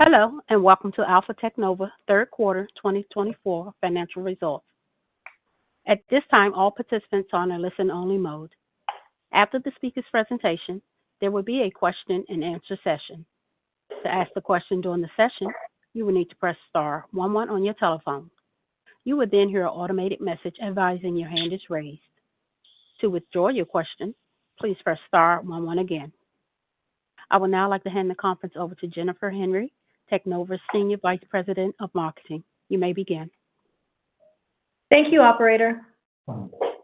Hello, and welcome to Alpha Teknova third quarter 2024 financial results. At this time, all participants are on a listen-only mode. After the speaker's presentation, there will be a question-and-answer session. To ask a question during the session, you will need to press star one one on your telephone. You will then hear an automated message advising your hand is raised. To withdraw your question, please press star one one again. I would now like to hand the conference over to Jennifer Henry, Teknova's Senior Vice President of Marketing. You may begin. Thank you, Operator.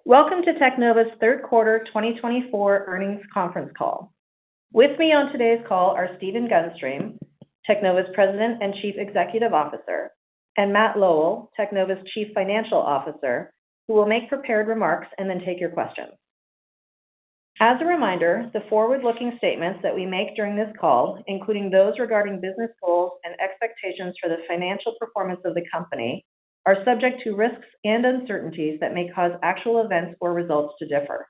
Welcome to Teknova's third quarter 2024 earnings conference call. With me on today's call are Stephen Gunstream, Teknova's President and Chief Executive Officer, and Matt Lowell, Teknova's Chief Financial Officer, who will make prepared remarks and then take your questions. As a reminder, the forward-looking statements that we make during this call, including those regarding business goals and expectations for the financial performance of the company, are subject to risks and uncertainties that may cause actual events or results to differ.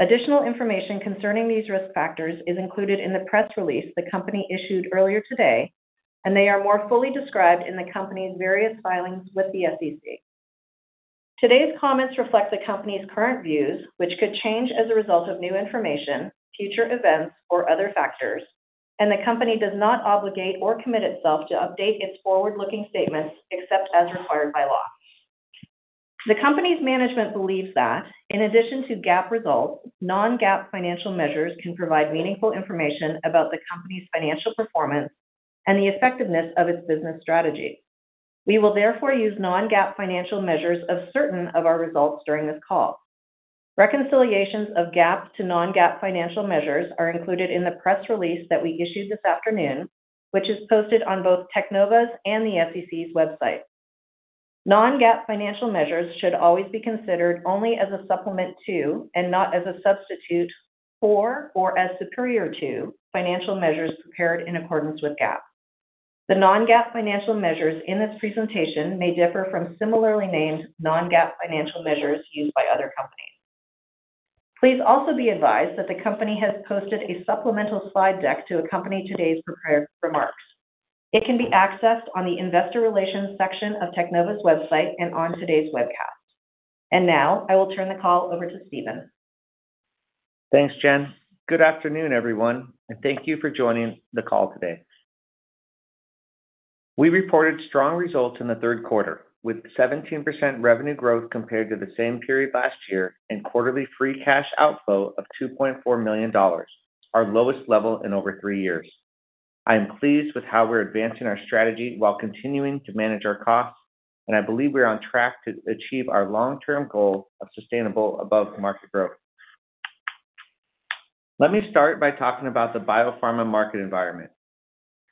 Additional information concerning these risk factors is included in the press release the company issued earlier today, and they are more fully described in the company's various filings with the SEC. Today's comments reflect the company's current views, which could change as a result of new information, future events, or other factors, and the company does not obligate or commit itself to update its forward-looking statements except as required by law. The company's management believes that, in addition to GAAP results, non-GAAP financial measures can provide meaningful information about the company's financial performance and the effectiveness of its business strategy. We will therefore use non-GAAP financial measures of certain of our results during this call. Reconciliations of GAAP to non-GAAP financial measures are included in the press release that we issued this afternoon, which is posted on both Teknova's and the SEC's website. Non-GAAP financial measures should always be considered only as a supplement to, and not as a substitute for, or as superior to, financial measures prepared in accordance with GAAP. The non-GAAP financial measures in this presentation may differ from similarly named non-GAAP financial measures used by other companies. Please also be advised that the company has posted a supplemental slide deck to accompany today's prepared remarks. It can be accessed on the Investor Relations section of Teknova's website and on today's webcast. And now, I will turn the call over to Stephen. Thanks, Jen. Good afternoon, everyone, and thank you for joining the call today. We reported strong results in the third quarter, with 17% revenue growth compared to the same period last year and quarterly free cash outflow of $2.4 million, our lowest level in over three years. I am pleased with how we're advancing our strategy while continuing to manage our costs, and I believe we're on track to achieve our long-term goal of sustainable above-market growth. Let me start by talking about the biopharma market environment.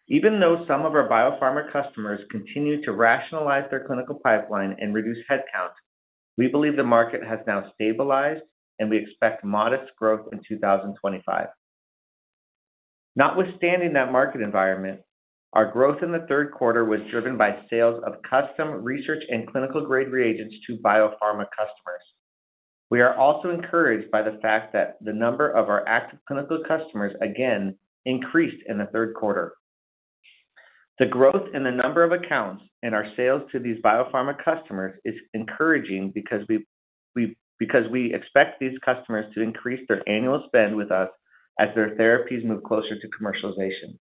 Even though some of our biopharma customers continue to rationalize their clinical pipeline and reduce headcount, we believe the market has now stabilized, and we expect modest growth in 2025. Notwithstanding that market environment, our growth in the third quarter was driven by sales of custom research and clinical-grade reagents to biopharma customers. We are also encouraged by the fact that the number of our active clinical customers again increased in the third quarter. The growth in the number of accounts and our sales to these biopharma customers is encouraging because we expect these customers to increase their annual spend with us as their therapies move closer to commercialization.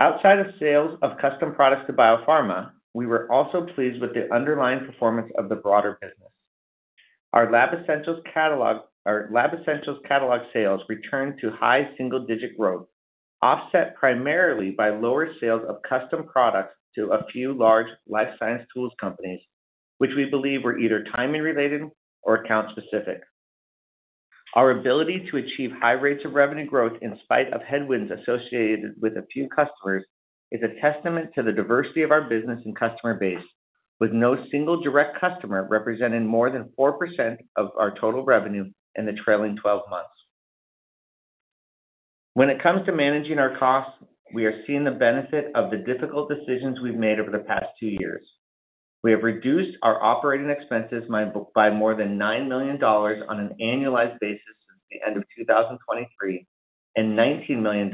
Outside of sales of custom products to biopharma, we were also pleased with the underlying performance of the broader business. Our lab essentials catalog sales returned to high single-digit growth, offset primarily by lower sales of custom products to a few large life science tools companies, which we believe were either timing-related or account-specific. Our ability to achieve high rates of revenue growth in spite of headwinds associated with a few customers is a testament to the diversity of our business and customer base, with no single direct customer representing more than 4% of our total revenue in the trailing 12 months. When it comes to managing our costs, we are seeing the benefit of the difficult decisions we've made over the past two years. We have reduced our operating expenses by more than $9 million on an annualized basis since the end of 2023 and $19 million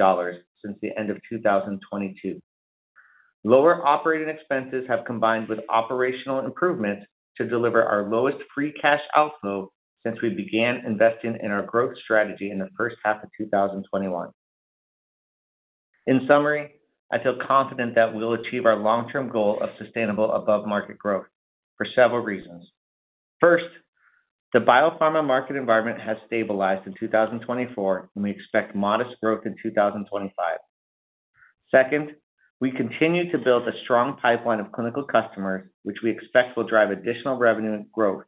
since the end of 2022. Lower operating expenses have combined with operational improvements to deliver our lowest free cash outflow since we began investing in our growth strategy in the first half of 2021. In summary, I feel confident that we'll achieve our long-term goal of sustainable above-market growth for several reasons. First, the biopharma market environment has stabilized in 2024, and we expect modest growth in 2025. Second, we continue to build a strong pipeline of clinical customers, which we expect will drive additional revenue and growth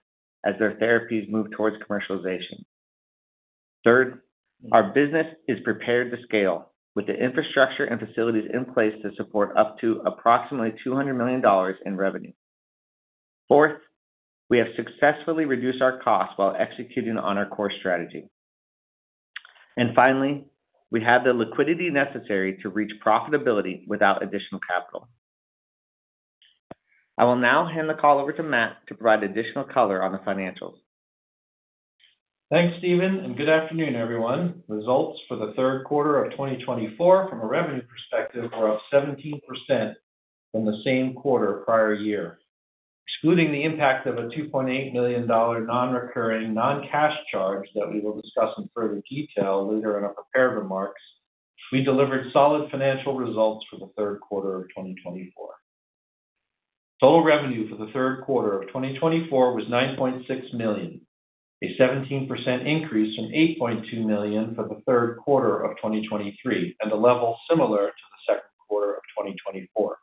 as their therapies move towards commercialization. Third, our business is prepared to scale, with the infrastructure and facilities in place to support up to approximately $200 million in revenue. Fourth, we have successfully reduced our costs while executing on our core strategy. And finally, we have the liquidity necessary to reach profitability without additional capital. I will now hand the call over to Matt to provide additional color on the financials. Thanks, Stephen, and good afternoon, everyone. Results for the third quarter of 2024, from a revenue perspective, were up 17% from the same quarter prior year. Excluding the impact of a $2.8 million non-recurring non-cash charge that we will discuss in further detail later in our prepared remarks, we delivered solid financial results for the third quarter of 2024. Total revenue for the third quarter of 2024 was $9.6 million, a 17% increase from $8.2 million for the third quarter of 2023, and a level similar to the second quarter of 2024.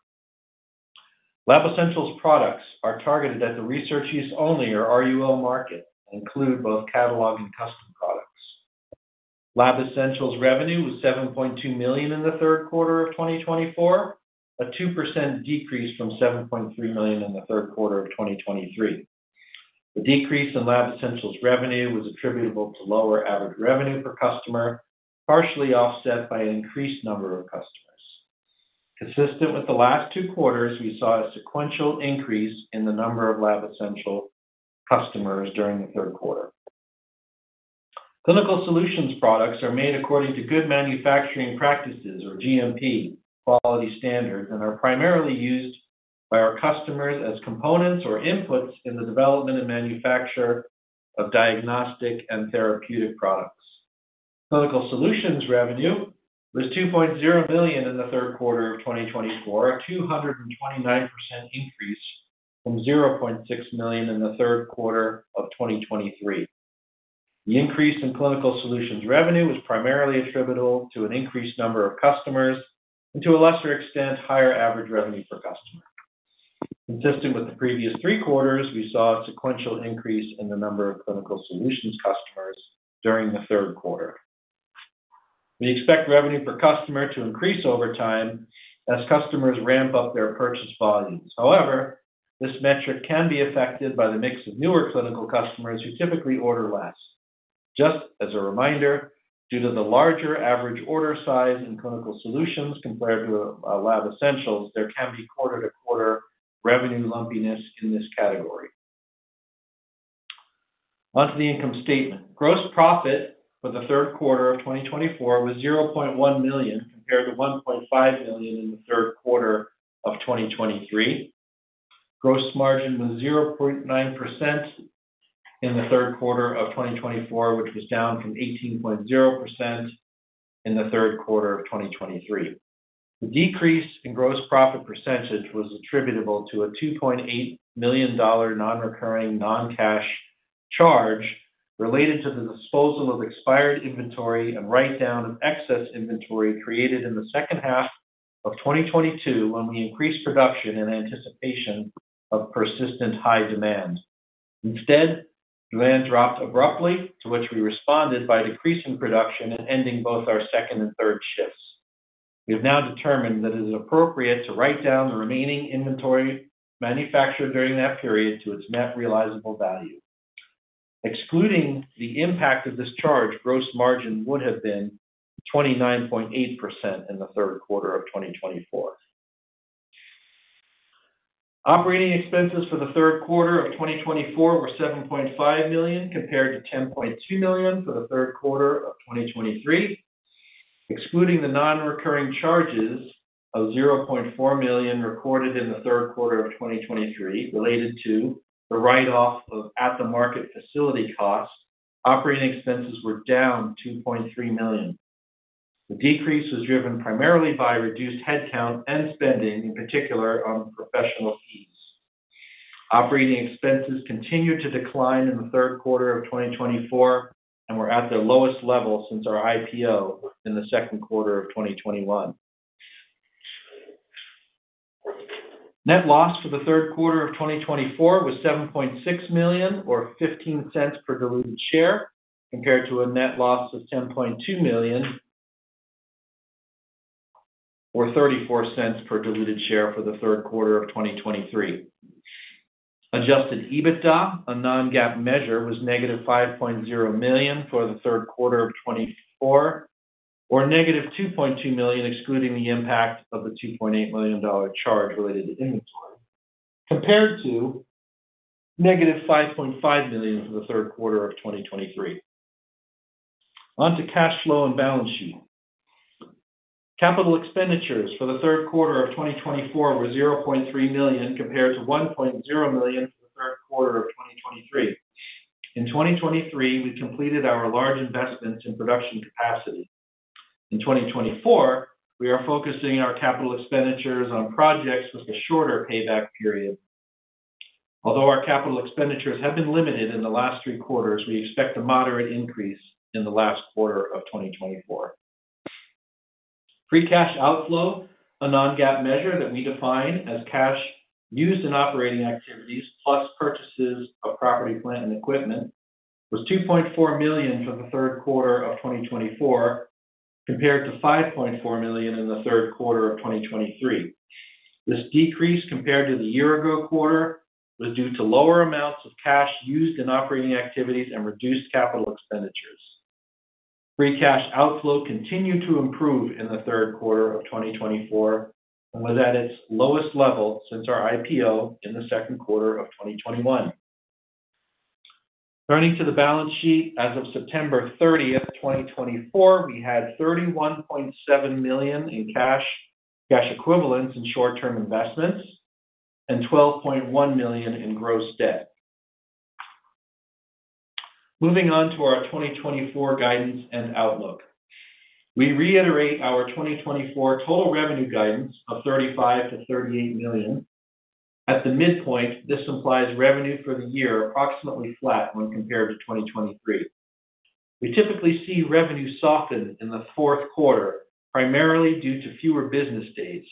Lab Essentials products are targeted at the Research Use Only or RUO market and include both catalog and custom products. Lab Essentials revenue was $7.2 million in the third quarter of 2024, a 2% decrease from $7.3 million in the third quarter of 2023. The decrease in Lab Essentials revenue was attributable to lower average revenue per customer, partially offset by an increased number of customers. Consistent with the last two quarters, we saw a sequential increase in the number of Lab Essentials customers during the third quarter. Clinical Solutions products are made according to Good Manufacturing Practices, or GMP, quality standards, and are primarily used by our customers as components or inputs in the development and manufacture of diagnostic and therapeutic products. Clinical Solutions revenue was $2.0 million in the third quarter of 2024, a 229% increase from $0.6 million in the third quarter of 2023. The increase in Clinical Solutions revenue was primarily attributable to an increased number of customers and, to a lesser extent, higher average revenue per customer. Consistent with the previous three quarters, we saw a sequential increase in the number of Clinical Solutions customers during the third quarter. We expect revenue per customer to increase over time as customers ramp up their purchase volumes. However, this metric can be affected by the mix of newer clinical customers who typically order less. Just as a reminder, due to the larger average order size in Clinical Solutions compared to Lab Essentials, there can be quarter-to-quarter revenue lumpiness in this category. Monthly income statement: gross profit for the third quarter of 2024 was $0.1 million compared to $1.5 million in the third quarter of 2023. Gross margin was 0.9% in the third quarter of 2024, which was down from 18.0% in the third quarter of 2023. The decrease in gross profit percentage was attributable to a $2.8 million non-recurring non-cash charge related to the disposal of expired inventory and write-down of excess inventory created in the second half of 2022 when we increased production in anticipation of persistent high demand. Instead, demand dropped abruptly, to which we responded by decreasing production and ending both our second and third shifts. We have now determined that it is appropriate to write down the remaining inventory manufactured during that period to its net realizable value. Excluding the impact of this charge, gross margin would have been 29.8% in the third quarter of 2024. Operating expenses for the third quarter of 2024 were $7.5 million compared to $10.2 million for the third quarter of 2023. Excluding the non-recurring charges of $0.4 million recorded in the third quarter of 2023 related to the write-off of At-the-Market facility costs, operating expenses were down $2.3 million. The decrease was driven primarily by reduced headcount and spending, in particular, on professional fees. Operating expenses continued to decline in the third quarter of 2024 and were at their lowest level since our IPO in the second quarter of 2021. Net loss for the third quarter of 2024 was $7.6 million, or $0.15 per diluted share, compared to a net loss of $10.2 million, or $0.34 per diluted share for the third quarter of 2023. Adjusted EBITDA, a non-GAAP measure, was negative $5.0 million for the third quarter of 2024, or negative $2.2 million, excluding the impact of the $2.8 million charge related to inventory, compared to negative $5.5 million for the third quarter of 2023. On to cash flow and balance sheet. Capital expenditures for the third quarter of 2024 were $0.3 million, compared to $1.0 million for the third quarter of 2023. In 2023, we completed our large investments in production capacity. In 2024, we are focusing our capital expenditures on projects with a shorter payback period. Although our capital expenditures have been limited in the last three quarters, we expect a moderate increase in the last quarter of 2024. Free cash outflow, a non-GAAP measure that we define as cash used in operating activities plus purchases of property, plant, and equipment, was $2.4 million for the third quarter of 2024, compared to $5.4 million in the third quarter of 2023. This decrease, compared to the year-ago quarter, was due to lower amounts of cash used in operating activities and reduced capital expenditures. Free cash outflow continued to improve in the third quarter of 2024 and was at its lowest level since our IPO in the second quarter of 2021. Turning to the balance sheet, as of September 30, 2024, we had $31.7 million in cash equivalents in short-term investments and $12.1 million in gross debt. Moving on to our 2024 guidance and outlook. We reiterate our 2024 total revenue guidance of $35 million-$38 million. At the midpoint, this implies revenue for the year approximately flat when compared to 2023. We typically see revenue soften in the fourth quarter, primarily due to fewer business days.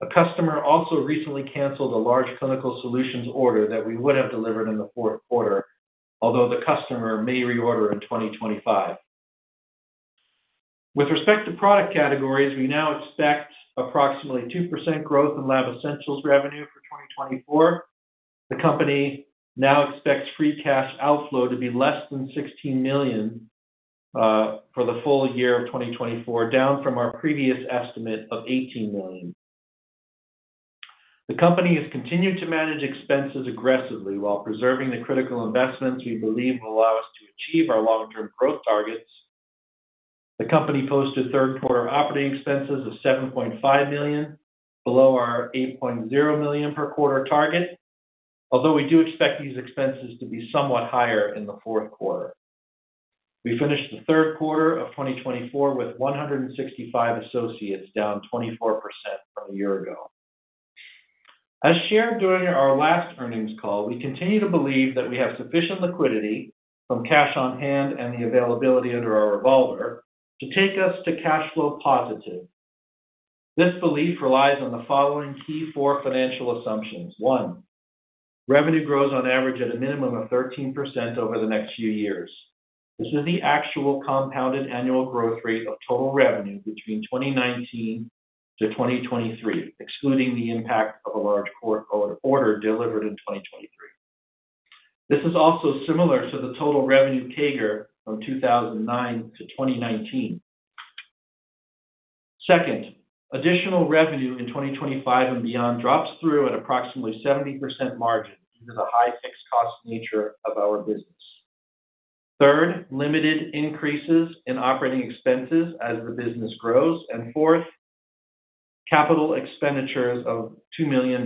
A customer also recently canceled a large Clinical Solutions order that we would have delivered in the fourth quarter, although the customer may reorder in 2025. With respect to product categories, we now expect approximately 2% growth in Lab Essentials revenue for 2024. The company now expects free cash outflow to be less than $16 million for the full year of 2024, down from our previous estimate of $18 million. The company has continued to manage expenses aggressively while preserving the critical investments we believe will allow us to achieve our long-term growth targets. The company posted third-quarter operating expenses of $7.5 million, below our $8.0 million per quarter target, although we do expect these expenses to be somewhat higher in the fourth quarter. We finished the third quarter of 2024 with 165 associates, down 24% from a year ago. As shared during our last earnings call, we continue to believe that we have sufficient liquidity from cash on hand and the availability under our revolver to take us to cash flow positive. This belief relies on the following key four financial assumptions. One, revenue grows on average at a minimum of 13% over the next few years. This is the actual compounded annual growth rate of total revenue between 2019-2023, excluding the impact of a large quarter order delivered in 2023. This is also similar to the total revenue CAGR from 2009-2019. Second, additional revenue in 2025 and beyond drops through at approximately 70% margin due to the high fixed cost nature of our business. Third, limited increases in operating expenses as the business grows. And fourth, capital expenditures of $2 million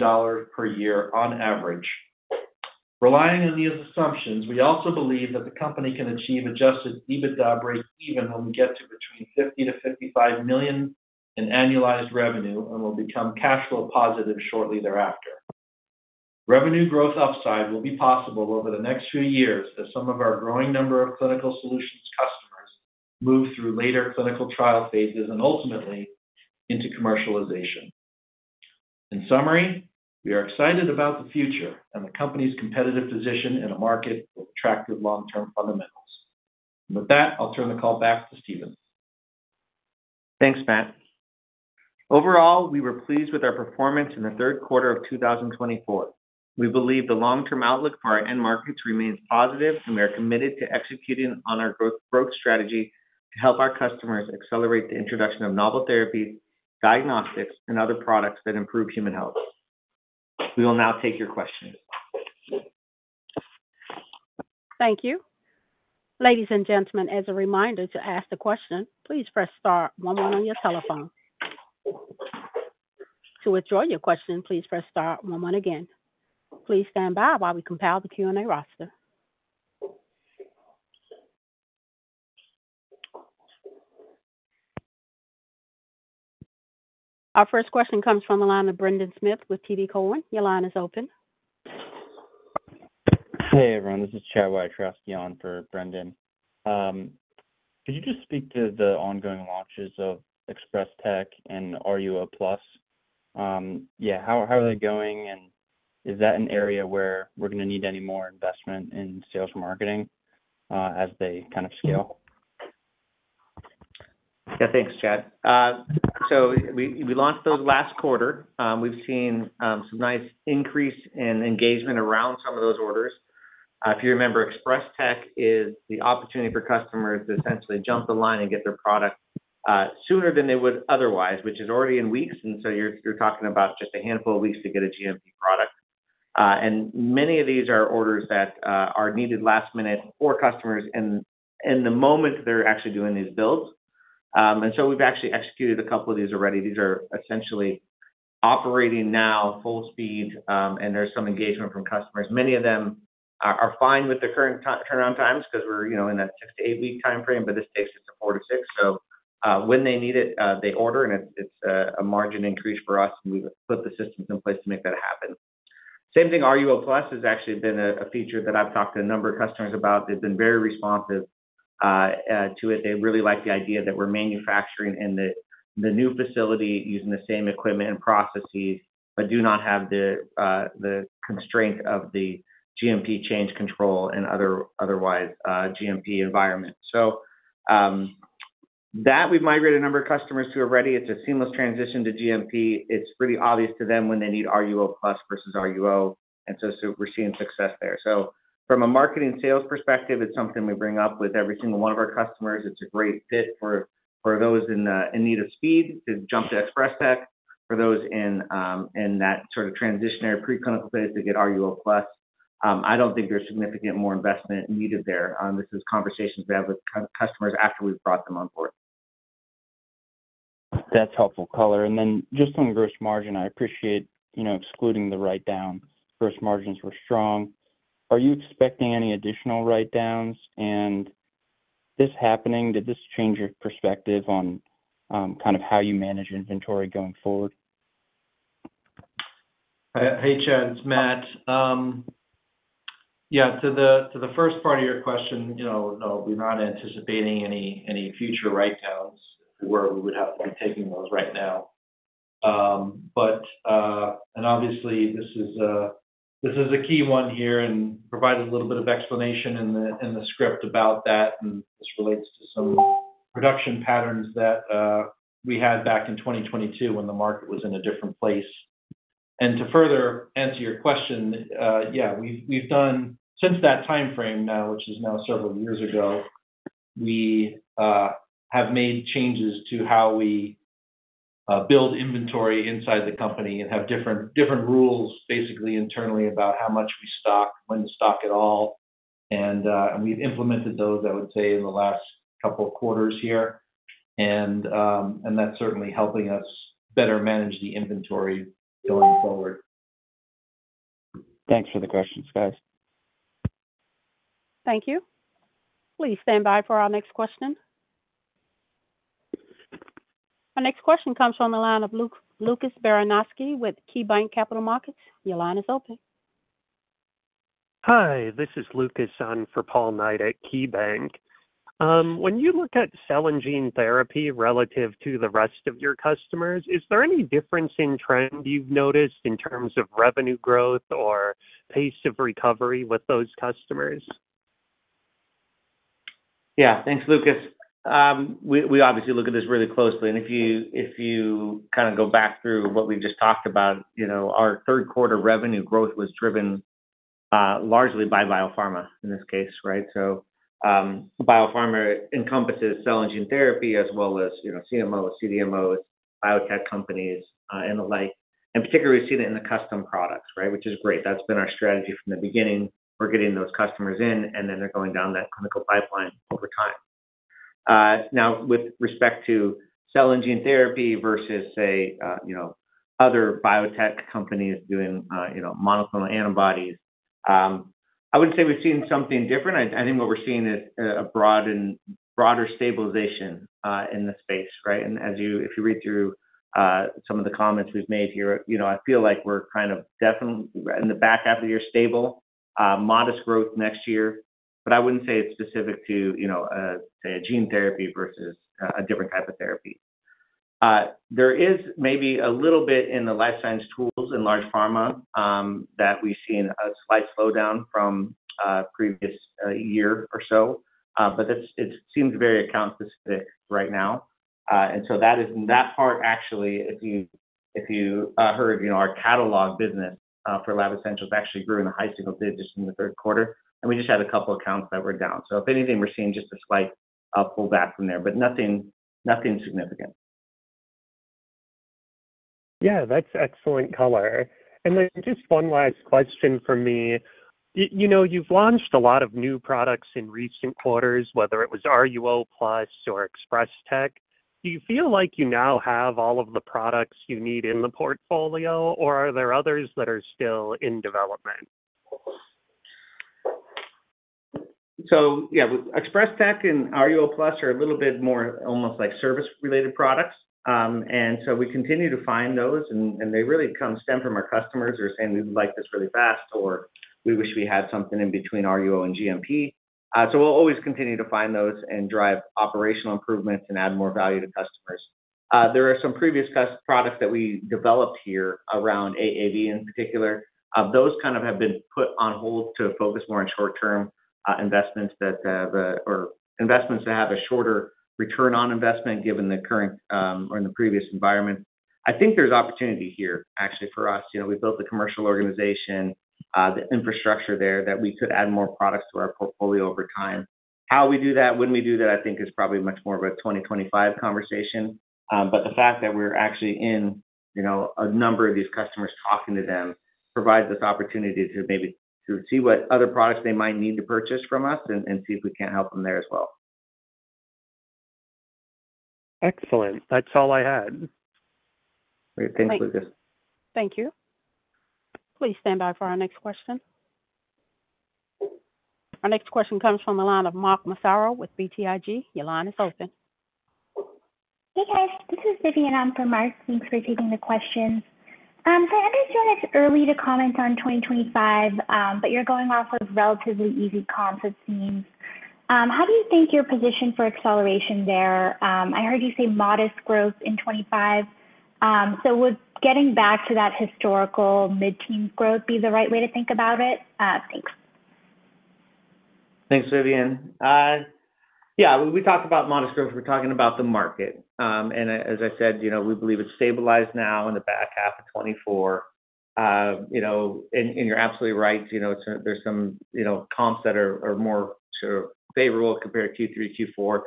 per year on average. Relying on these assumptions, we also believe that the company can achieve Adjusted EBITDA break-even when we get to between $50 million-$55 million in annualized revenue and will become cash flow positive shortly thereafter. Revenue growth upside will be possible over the next few years as some of our growing number of clinical solutions customers move through later clinical trial phases and ultimately into commercialization. In summary, we are excited about the future and the company's competitive position in a market with attractive long-term fundamentals. And with that, I'll turn the call back to Stephen. Thanks, Matt. Overall, we were pleased with our performance in the third quarter of 2024. We believe the long-term outlook for our end markets remains positive, and we are committed to executing on our growth strategy to help our customers accelerate the introduction of novel therapies, diagnostics, and other products that improve human health. We will now take your questions. Thank you. Ladies and gentlemen, as a reminder to ask the question, please press star one one on your telephone. To withdraw your question, please press star one one again. Please stand by while we compile the Q&A roster. Our first question comes from the line of Brendan Smith with TD Cowen. Your line is open. Hey, everyone. This is Chad Wiatrowski, TD Cowen for Brendan. Could you just speak to the ongoing launches of Express-Tek and RUO+? Yeah, how are they going? And is that an area where we're going to need any more investment in sales and marketing as they kind of scale? Yeah, thanks, Chad. So we launched those last quarter. We've seen some nice increase in engagement around some of those orders. If you remember, Express-Tek is the opportunity for customers to essentially jump the line and get their product sooner than they would otherwise, which is already in weeks. And so you're talking about just a handful of weeks to get a GMP product. And many of these are orders that are needed last-minute for customers in the moment they're actually doing these builds. And so we've actually executed a couple of these already. These are essentially operating now full speed, and there's some engagement from customers. Many of them are fine with their current turnaround times because we're in that six- to eight-week time frame, but this takes just a four to six. So when they need it, they order, and it's a margin increase for us, and we've put the systems in place to make that happen. Same thing, RUO+ has actually been a feature that I've talked to a number of customers about. They've been very responsive to it. They really like the idea that we're manufacturing in the new facility using the same equipment and processes but do not have the constraint of the GMP change control and otherwise GMP environment. So that we've migrated a number of customers to already. It's a seamless transition to GMP. It's pretty obvious to them when they need RUO+ versus RUO. And so we're seeing success there. So from a marketing sales perspective, it's something we bring up with every single one of our customers. It's a great fit for those in need of speed to jump to Express-Tek for those in that sort of transitionary pre-clinical phase to get RUO+. I don't think there's significantly more investment needed there. These are conversations we have with customers after we've brought them on board. That's helpful, color. And then just on gross margin, I appreciate excluding the write-down. Gross margins were strong. Are you expecting any additional write-downs? And if this is happening, did this change your perspective on kind of how you manage inventory going forward? Hey, Chad, it's Matt. Yeah, to the first part of your question, no, we're not anticipating any future write-downs where we would have to be taking those right now. And obviously, this is a key one here and provided a little bit of explanation in the script about that, and this relates to some production patterns that we had back in 2022 when the market was in a different place. And to further answer your question, yeah, since that time frame now, which is now several years ago, we have made changes to how we build inventory inside the company and have different rules, basically internally, about how much we stock, when to stock at all. And we've implemented those, I would say, in the last couple of quarters here. And that's certainly helping us better manage the inventory going forward. Thanks for the questions, guys. Thank you. Please stand by for our next question. Our next question comes from the line of Lucas Baranowski with KeyBanc Capital Markets. Your line is open. Hi, this is Lucas for Paul Knight at KeyBanc. When you look at cell and gene therapy relative to the rest of your customers, is there any difference in trend you've noticed in terms of revenue growth or pace of recovery with those customers? Yeah, thanks, Lucas. We obviously look at this really closely. And if you kind of go back through what we've just talked about, our third-quarter revenue growth was driven largely by biopharma in this case, right? So biopharma encompasses cell and gene therapy as well as CMOs, CDMOs, biotech companies, and the like. And particularly, we've seen it in the custom products, right, which is great. That's been our strategy from the beginning. We're getting those customers in, and then they're going down that clinical pipeline over time. Now, with respect to cell and gene therapy versus, say, other biotech companies doing monoclonal antibodies, I wouldn't say we've seen something different. I think what we're seeing is a broader stabilization in the space, right? And if you read through some of the comments we've made here, I feel like we're kind of definitely in the back half of the year stable, modest growth next year. But I wouldn't say it's specific to, say, a gene therapy versus a different type of therapy. There is maybe a little bit in the life science tools in large pharma that we've seen a slight slowdown from previous year or so, but it seems very account-specific right now. And so that part, actually, if you heard our catalog business for Lab Essentials actually grew in the high single digits in the third quarter. And we just had a couple of accounts that were down. So if anything, we're seeing just a slight pullback from there, but nothing significant. Yeah, that's excellent, Color. And then just one last question for me. You've launched a lot of new products in recent quarters, whether it was RUO+ or Express-Tek. Do you feel like you now have all of the products you need in the portfolio, or are there others that are still in development? Yeah, Express-Tek and RUO+ are a little bit more almost like service-related products. We continue to find those, and they really stem from our customers who are saying, "We would like this really fast," or, "We wish we had something in between RUO and GMP." We'll always continue to find those and drive operational improvements and add more value to customers. There are some previous products that we developed here around AAV in particular. Those kind of have been put on hold to focus more on short-term investments or investments that have a shorter return on investment given the current or in the previous environment. I think there's opportunity here, actually, for us. We built the commercial organization, the infrastructure there that we could add more products to our portfolio over time. How we do that, when we do that, I think is probably much more of a 2025 conversation. But the fact that we're actually in a number of these customers talking to them provides us opportunity to maybe see what other products they might need to purchase from us and see if we can't help them there as well. Excellent. That's all I had. Great. Thanks, Lucas. Thank you. Please stand by for our next question. Our next question comes from the line of Mark Massaro with BTIG. Your line is open. Hey, guys. This is Vidyun on for Mark. Thanks for taking the questions. So I understand it's early to comment on 2025, but you're going off of relatively easy comps, it seems. How do you think your position for acceleration there? I heard you say modest growth in '25. So would getting back to that historical mid-teens growth be the right way to think about it? Thanks. Thanks, Vidyun. Yeah, when we talk about modest growth, we're talking about the market, and as I said, we believe it's stabilized now in the back half of 2024, and you're absolutely right, there's some comps that are more sort of favorable compared to Q3, Q4.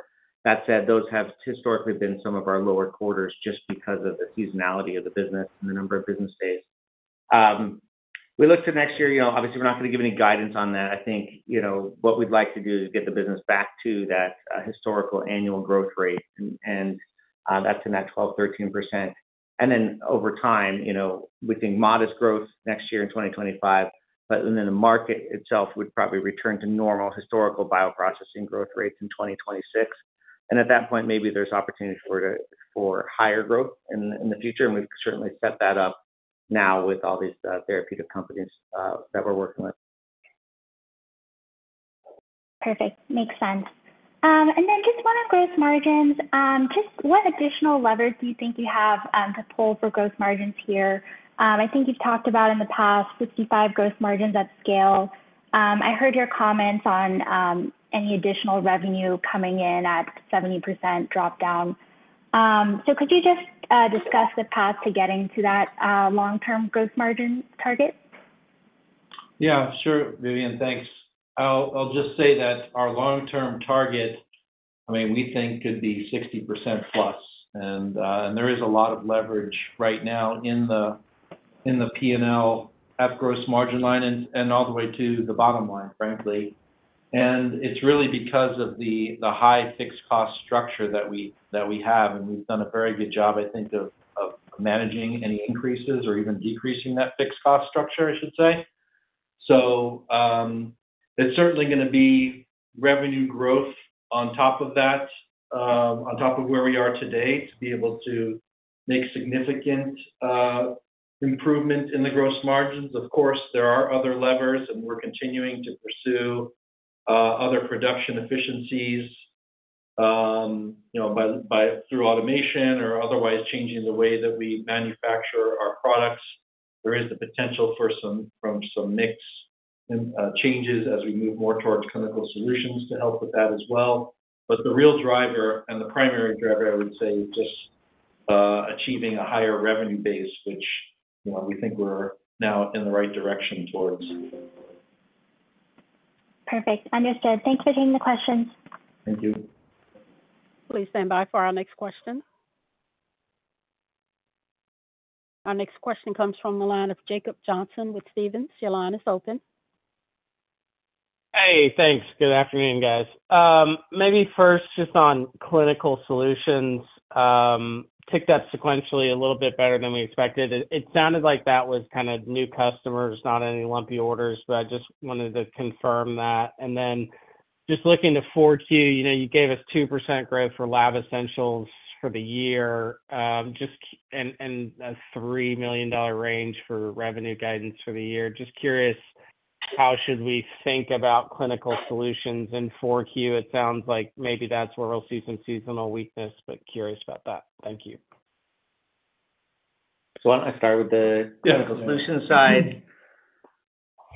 That said, those have historically been some of our lower quarters just because of the seasonality of the business and the number of business days. We look to next year, obviously, we're not going to give any guidance on that. I think what we'd like to do is get the business back to that historical annual growth rate, and that's in that 12%-13%. And then over time, we think modest growth next year in 2025, but then the market itself would probably return to normal historical bioprocessing growth rates in 2026. At that point, maybe there's opportunity for higher growth in the future. We've certainly set that up now with all these therapeutic companies that we're working with. Perfect. Makes sense. And then just one on gross margins. Just what additional lever do you think you have to pull for gross margins here? I think you've talked about in the past 55% gross margins at scale. I heard your comments on any additional revenue coming in at 70% drop down. So could you just discuss the path to getting to that long-term gross margin target? Yeah, sure, Vidyun. Thanks. I'll just say that our long-term target, I mean, we think could be 60% plus. And there is a lot of leverage right now in the P&L at gross margin line and all the way to the bottom line, frankly. And it's really because of the high fixed cost structure that we have, and we've done a very good job, I think, of managing any increases or even decreasing that fixed cost structure, I should say. So it's certainly going to be revenue growth on top of that, on top of where we are today, to be able to make significant improvement in the gross margins. Of course, there are other levers, and we're continuing to pursue other production efficiencies through automation or otherwise changing the way that we manufacture our products. There is the potential for some mix changes as we move more towards Clinical Solutions to help with that as well. But the real driver and the primary driver, I would say, is just achieving a higher revenue base, which we think we're now in the right direction towards. Perfect. Understood. Thanks for taking the questions. Thank you. Please stand by for our next question. Our next question comes from the line of Jacob Johnson with Stephens. Your line is open. Hey, thanks. Good afternoon, guys. Maybe first, just on Clinical Solutions, ticked up sequentially a little bit better than we expected. It sounded like that was kind of new customers, not any lumpy orders, but I just wanted to confirm that. And then just looking to 4Q, you gave us 2% growth for Lab Essentials for the year and a $3 million range for revenue guidance for the year. Just curious, how should we think about Clinical Solutions in 4Q? It sounds like maybe that's where we'll see some seasonal weakness, but curious about that. Thank you. So why don't I start with the Clinical Solutions side?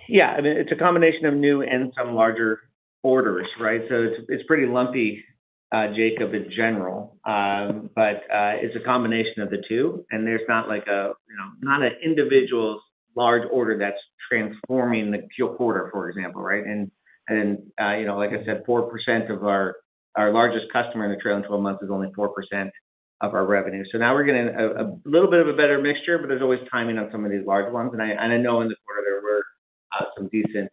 Yeah, I mean, it's a combination of new and some larger orders, right? So it's pretty lumpy, Jacob, in general, but it's a combination of the two. And there's not a individual large order that's transforming the quarter, for example, right? And like I said, 4% of our largest customer in the trailing 12 months is only 4% of our revenue. So now we're getting a little bit of a better mixture, but there's always timing on some of these large ones. And I know in the quarter, there were some decent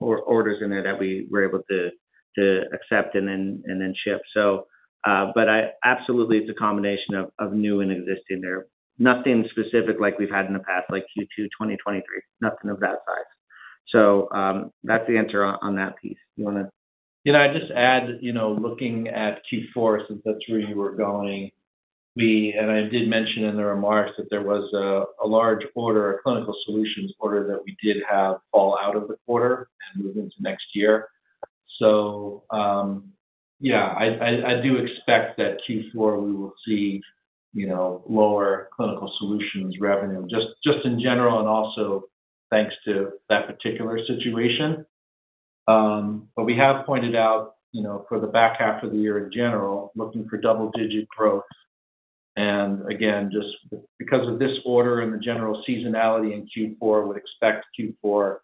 orders in there that we were able to accept and then ship. But absolutely, it's a combination of new and existing there. Nothing specific like we've had in the past, like Q2 2023. Nothing of that size. So that's the answer on that piece. Do you want to? I'd just add, looking at Q4, since that's where you were going, and I did mention in the remarks that there was a large order, a Clinical Solutions order that we did have fall out of the quarter and move into next year. So yeah, I do expect that Q4 we will see lower Clinical Solutions revenue, just in general, and also thanks to that particular situation. But we have pointed out for the back half of the year in general, looking for double-digit growth. And again, just because of this order and the general seasonality in Q4, we would expect Q4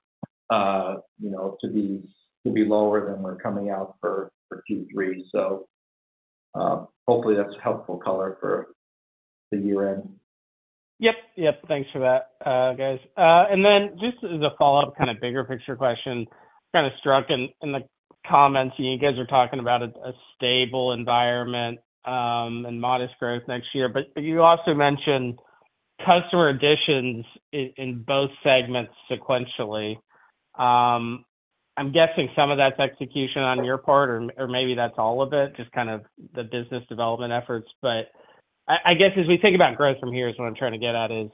to be lower than we're coming out for Q3. So hopefully, that's helpful, color, for the year-end. Yep, yep. Thanks for that, guys. And then just as a follow-up, kind of bigger picture question, kind of struck in the comments. You guys are talking about a stable environment and modest growth next year. But you also mentioned customer additions in both segments sequentially. I'm guessing some of that's execution on your part, or maybe that's all of it, just kind of the business development efforts. But I guess as we think about growth from here, is what I'm trying to get at, is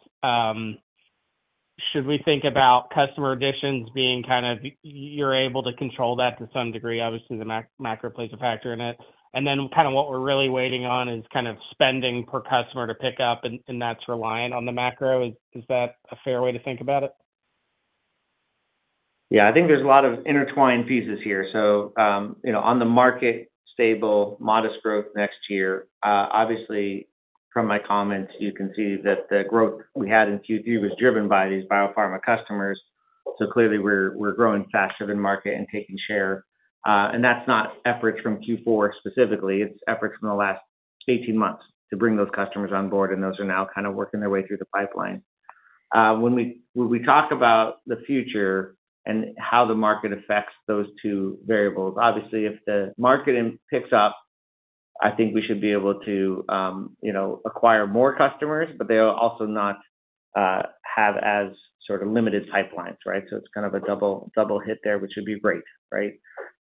should we think about customer additions being kind of you're able to control that to some degree, obviously, the macro plays a factor in it. And then kind of what we're really waiting on is kind of spending per customer to pick up, and that's reliant on the macro. Is that a fair way to think about it? Yeah, I think there's a lot of intertwined pieces here. So on the market, stable, modest growth next year. Obviously, from my comments, you can see that the growth we had in Q3 was driven by these biopharma customers. So clearly, we're growing faster than market and taking share. And that's not efforts from Q4 specifically. It's efforts from the last 18 months to bring those customers on board, and those are now kind of working their way through the pipeline. When we talk about the future and how the market affects those two variables, obviously, if the market picks up, I think we should be able to acquire more customers, but they'll also not have as sort of limited pipelines, right? So it's kind of a double hit there, which would be great, right?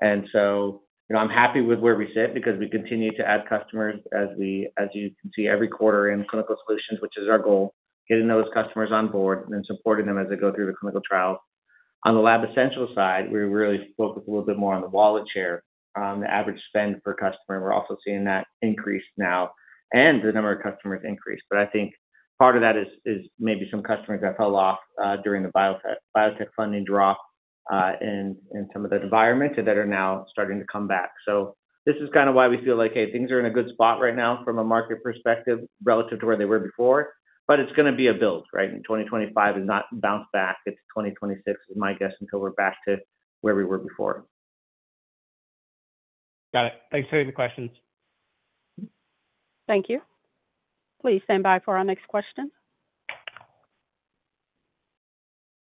And so I'm happy with where we sit because we continue to add customers, as you can see, every quarter in Clinical Solutions, which is our goal, getting those customers on board and then supporting them as they go through the clinical trials. On the Lab Essentials side, we really focus a little bit more on the wallet share, the average spend per customer. We're also seeing that increase now and the number of customers increase. But I think part of that is maybe some customers that fell off during the biotech funding drop and some of the environment that are now starting to come back. So this is kind of why we feel like, hey, things are in a good spot right now from a market perspective relative to where they were before. But it's going to be a build, right? And 2025 is not bounced back. It's 2026, is my guess, until we're back to where we were before. Got it. Thanks for the questions. Thank you. Please stand by for our next question.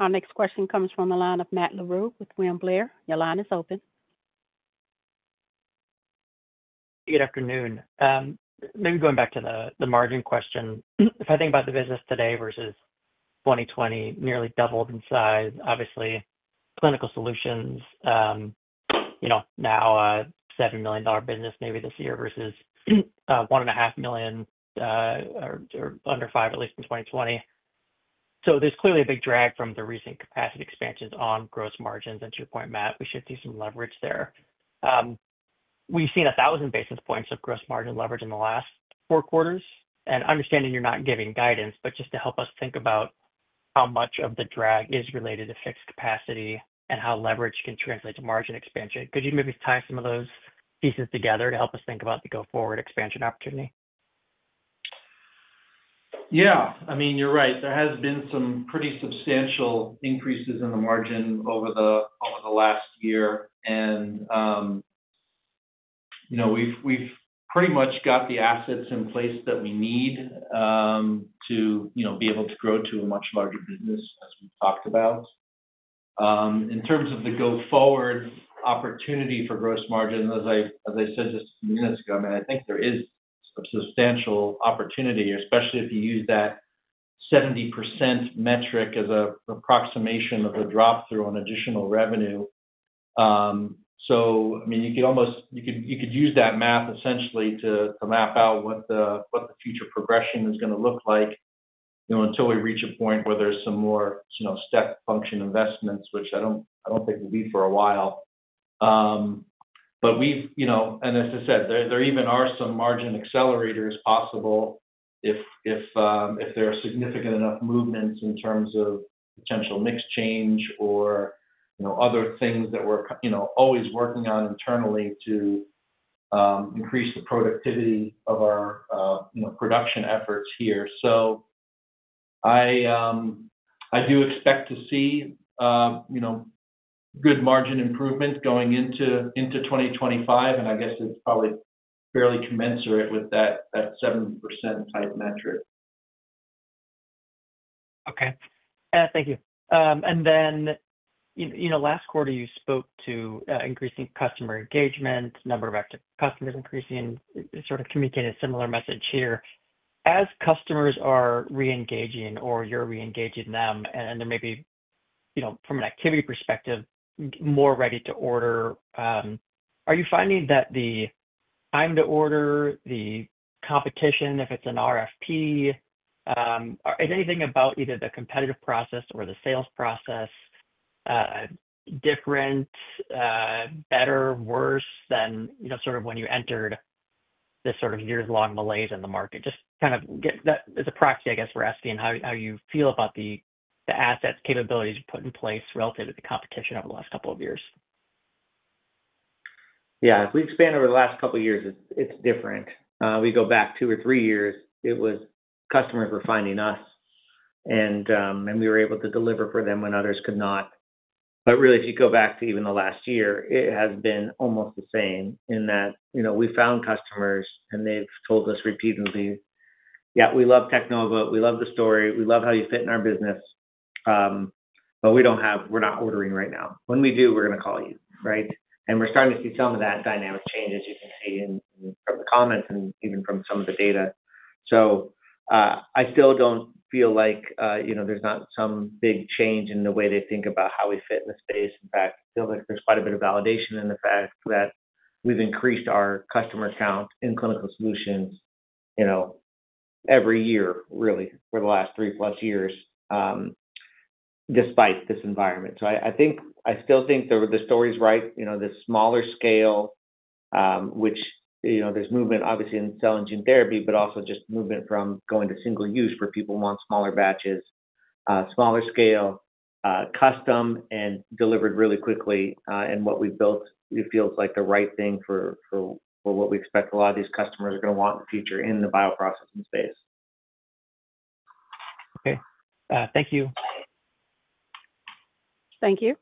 Our next question comes from the line of Matt Larew with William Blair. Your line is open. Good afternoon. Maybe going back to the margin question. If I think about the business today versus 2020, nearly doubled in size. Obviously, Clinical Solutions now, a $7 million business maybe this year versus $1.5 million or under $5 million, at least in 2020. So there's clearly a big drag from the recent capacity expansions on gross margins, and to your point, Matt, we should see some leverage there. We've seen 1,000 basis points of gross margin leverage in the last four quarters, and understanding you're not giving guidance, but just to help us think about how much of the drag is related to fixed capacity and how leverage can translate to margin expansion. Could you maybe tie some of those pieces together to help us think about the go-forward expansion opportunity? Yeah. I mean, you're right. There has been some pretty substantial increases in the margin over the last year. And we've pretty much got the assets in place that we need to be able to grow to a much larger business, as we've talked about. In terms of the go-forward opportunity for gross margins, as I said just a few minutes ago, I mean, I think there is a substantial opportunity, especially if you use that 70% metric as an approximation of the drop-through on additional revenue. So I mean, you could use that math, essentially, to map out what the future progression is going to look like until we reach a point where there's some more step function investments, which I don't think will be for a while. But we've, and as I said, there even are some margin accelerators possible if there are significant enough movements in terms of potential mix change or other things that we're always working on internally to increase the productivity of our production efforts here. So I do expect to see good margin improvement going into 2025, and I guess it's probably fairly commensurate with that 70% type metric. Okay. Thank you. And then last quarter, you spoke to increasing customer engagement, number of active customers increasing, sort of communicating a similar message here. As customers are re-engaging or you're re-engaging them, and there may be, from an activity perspective, more ready-to-order, are you finding that the time to order, the competition, if it's an RFP, is anything about either the competitive process or the sales process different, better, worse than sort of when you entered this sort of years-long malaise in the market? Just kind of as a proxy, I guess, we're asking how you feel about the assets, capabilities you've put in place relative to the competition over the last couple of years. Yeah. As we expand over the last couple of years, it's different. We go back two or three years, it was customers were finding us, and we were able to deliver for them when others could not. But really, if you go back to even the last year, it has been almost the same in that we found customers, and they've told us repeatedly, "Yeah, we love Teknova. We love the story. We love how you fit in our business. But we're not ordering right now. When we do, we're going to call you," right? And we're starting to see some of that dynamic change, as you can see from the comments and even from some of the data. So I still don't feel like there's not some big change in the way they think about how we fit in the space. In fact, I feel like there's quite a bit of validation in the fact that we've increased our customer count in Clinical Solutions every year, really, for the last three-plus years, despite this environment, so I still think the story's right, the smaller scale, which there's movement, obviously, in cell and gene therapy, but also just movement from going to single use where people want smaller batches, smaller scale, custom, and delivered really quickly, and what we've built feels like the right thing for what we expect a lot of these customers are going to want in the future in the bioprocessing space. Okay. Thank you. Thank you.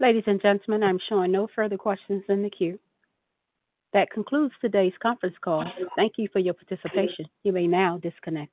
Ladies and gentlemen, I'm sure no further questions in the queue. That concludes today's conference call. Thank you for your participation. You may now disconnect.